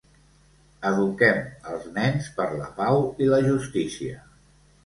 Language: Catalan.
Eduquem als nens per la pau i la justícia.